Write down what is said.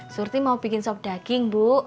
surti mau bikin sop daging bu